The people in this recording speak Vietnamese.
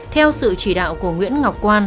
theo sự chỉ đạo của nguyễn ngọc quan